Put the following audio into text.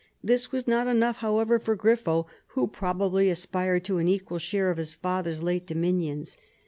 This was not enough, however, for Grifo, who probably as pired to an equal share of his father's late domin ions.